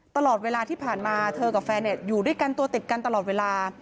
ตลอดเวลาที่ผ่านมาเธอกับแฟนอยู่ด้วยกันตัวติดกันตลอดเวลา